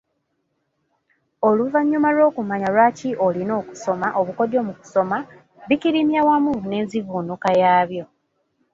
Oluvannyuma lw’okumanya lwaki olina okusoma, obukodyo mu kusoma, bikirimya wamu n’enzivunuuka yaabyo.